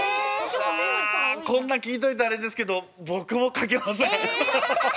うわこんな聞いといてあれですけどぼくもかけません。